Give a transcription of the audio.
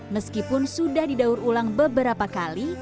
meskipun sudah didaur ulang beberapa kali